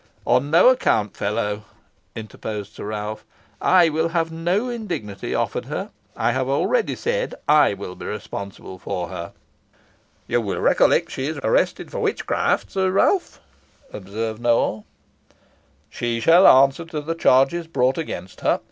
"On no account, fellow," interposed Sir Ralph. "I will have no indignity offered her. I have already said I will be responsible for her." "You will recollect she is arrested for witchcraft, Sir Ralph," observed Nowell. "She shall answer to the charges brought against her.